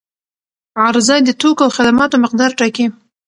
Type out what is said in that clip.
عرضه د توکو او خدماتو مقدار ټاکي.